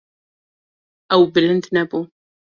Ew bilind nebû.